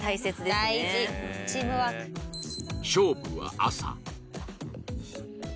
勝負は朝